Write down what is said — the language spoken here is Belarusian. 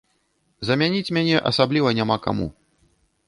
Замяніць мяне асабліва няма каму.